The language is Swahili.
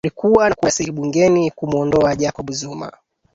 kulikuwa na kura ya siri bungeni kumuondoa jacob zuma